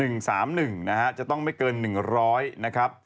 ๑๓๑นะฮะจะต้องไม่เกิน๑๐๐นะครับ